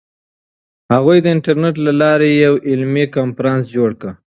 هغوی د انټرنیټ له لارې یو علمي کنفرانس جوړ کړ.